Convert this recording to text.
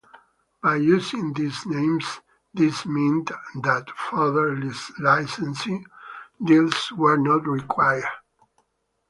By using these names, this meant that further licensing deals were not required.